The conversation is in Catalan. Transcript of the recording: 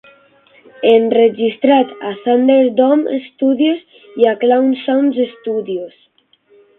Enregistrat a Thunderdome Studios i a Clown Sound Studios.